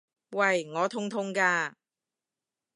喂！我痛痛㗎！